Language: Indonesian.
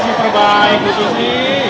super baik bu susi